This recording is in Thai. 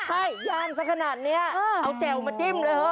ใช่ย่างซะขนาดเนี้ยเอาแจ่ลมาจิ้มเลยเหอะ